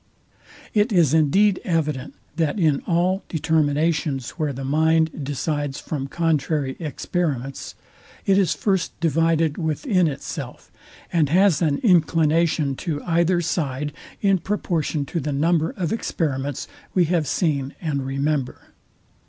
It is indeed evident, that in all determinations, where the mind decides from contrary experiments, it is first divided within itself, and has an inclination to either side in proportion to the number of experiments we have seen and remember.